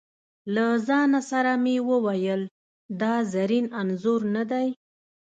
له ځانه سره مې وویل: دا زرین انځور نه دی.